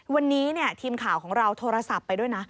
วันนี้ทีมข่าวของเราโทรศัพท์ไปด้วยนะ